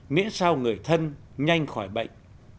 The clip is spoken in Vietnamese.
miễn sao người thân nhanh khỏi bệnh